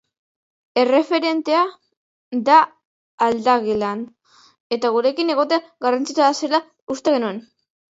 Erreferentea da aldagelan, eta gurekin egotea garrantzitsua zela uste genuen.